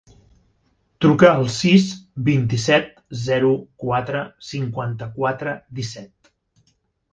Truca al sis, vint-i-set, zero, quatre, cinquanta-quatre, disset.